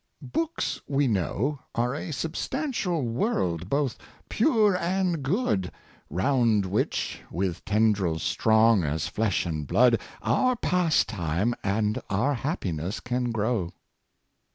" Books, we know, Are a substantial world, both pure and good, Round which, with tendrils strong as flesh and blood, Our pastime and our happiness can grow."